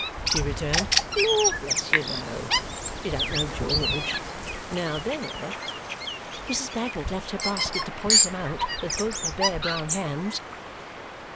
she returned. "Lord bless you, no. You don't know George. Now, there!" Mrs. Bagnet left her basket to point him out with both her bare brown hands.